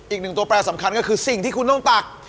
อีกหนึ่งตัวแปรสำคัญก็คือสิ่งที่คุณต้องตัก